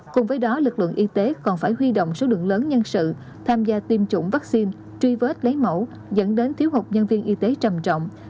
cùng với đó lực lượng y tế còn phải huy động số lượng lớn nhân sự tham gia tiêm chủng vaccine truy vết lấy mẫu dẫn đến thiếu hụt nhân viên y tế trầm trọng